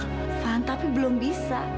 tovan tapi belum bisa